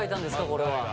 これは。